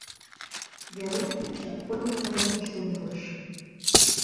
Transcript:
Верук ик жап годым эре вучен илыш.